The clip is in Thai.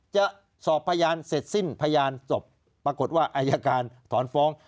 จะสอบพยานเสร็จสิ้นพยานจบปรากฏว่าอายการถอนฟ้อง